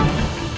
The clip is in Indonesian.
ya juga sih